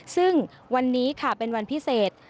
ซึ่งวันนี้ค่ะเป็นวันพิเศษ